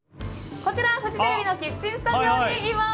こちらフジテレビのキッチンスタジオにいます。